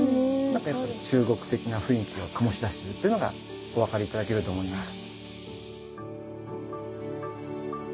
何かやっぱり中国的な雰囲気を醸し出してるっていうのがお分かり頂けると思います。